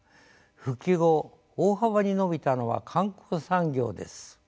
復帰後大幅に伸びたのは観光産業です。